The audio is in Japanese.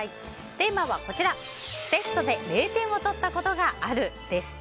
テーマは、テストで０点を取ったことがあるです。